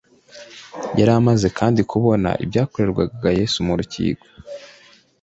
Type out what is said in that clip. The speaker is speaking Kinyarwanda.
yari amaze kandi kubona ibyakorerwaga yesu mu rukiko